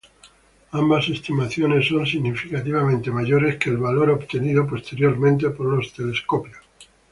Ambas estimaciones son significativamente mayores que el valor obtenido posteriormente por los telescopios.